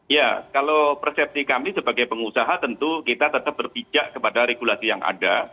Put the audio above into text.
ya kalau persepsi kami sebagai pengusaha tentu kita tetap berpijak kepada regulasi yang ada